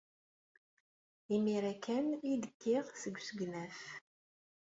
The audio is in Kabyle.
Imir-a kan ay d-kkiɣ seg usegnaf.